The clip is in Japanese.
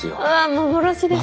幻ですね。